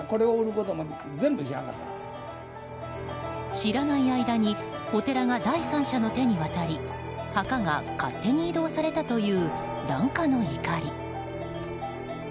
知らない間にお寺が第三者の手に渡り墓が勝手に移動されたという檀家の怒り。